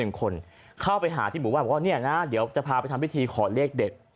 เขาเข้าไปหาที่บพาทนะเดี๋ยวจะพาไปทำพิธีขอเรกเด็ด